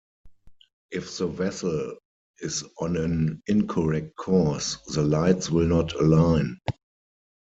If the vessel is on an incorrect course, the lights will not align.